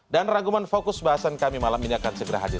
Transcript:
dan rangkuman fokus bahasan kami malam ini akan segera hadir